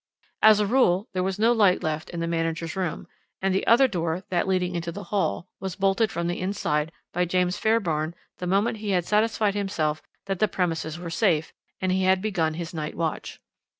As a rule there was no light left in the manager's room, and the other door that leading into the hall was bolted from the inside by James Fairbairn the moment he had satisfied himself that the premises were safe, and he had begun his night watch.